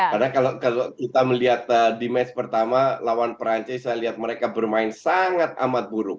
karena kalau kita melihat di match pertama lawan perancis saya lihat mereka bermain sangat amat buruk